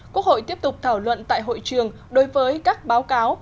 quốc hội tiếp tục thảo luận tại hội trường đối với các báo cáo